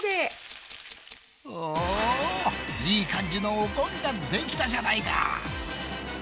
おいい感じのおこげができたじゃないか！